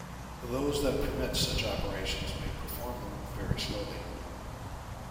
Those that permit such operations may perform them very slowly.